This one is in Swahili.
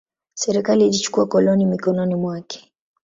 Serikali ilichukua koloni mikononi mwake.